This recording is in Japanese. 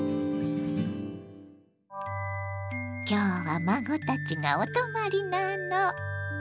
今日は孫たちがお泊まりなの。